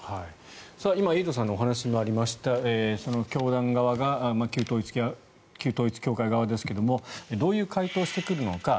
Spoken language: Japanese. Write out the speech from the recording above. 今、エイトさんのお話にもありました教団側旧統一教会側ですがどういう回答をしてくるのか。